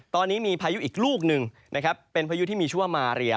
ตอนนี้มีพายุอีกลูกหนึ่งนะครับเป็นพายุที่มีชื่อว่ามาเรีย